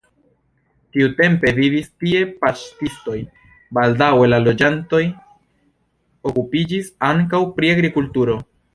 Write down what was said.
Tiutempe vivis tie paŝtistoj, baldaŭe la loĝantoj okupiĝis ankaŭ pri agrikulturo.